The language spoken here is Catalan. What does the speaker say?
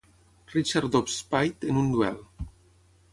Richard Dobbs Spaight en un duel.